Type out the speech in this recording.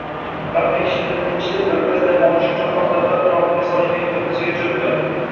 Hamma ishimni tinchitib, birpas dam olish uchun xontaxta atrofiga solingan ko`rpachaga cho`kdim